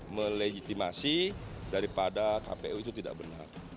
melegitimasi daripada kpu itu tidak benar